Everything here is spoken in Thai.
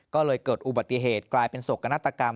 ก็เลยเกิดอุบัติเหตุกลายเป็นโศกนาฏกรรม